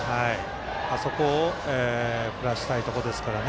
あそこを振らせたいところですからね。